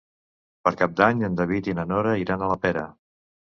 Per Cap d'Any en David i na Nora iran a la Pera.